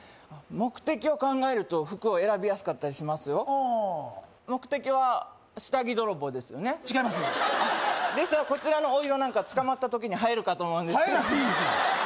目的を考えると服を選びやすかったりしますよああ目的は下着泥棒ですよね違いますでしたらこちらのお色なんか捕まった時に映えるかと映えなくていいですよ